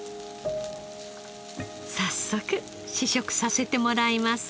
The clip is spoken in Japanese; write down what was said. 早速試食させてもらいます。